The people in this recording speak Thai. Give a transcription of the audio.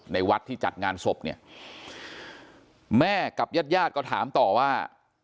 ในวัดที่จัดงานศพเนี่ยแม่กับญาติญาติก็ถามต่อว่า